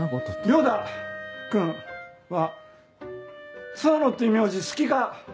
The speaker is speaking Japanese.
良太君は諏訪野っていう名字好きか？